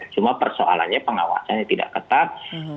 cuma persoalannya pengawasannya tidak ketat